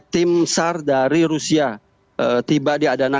tim sar dari rusia tiba di adana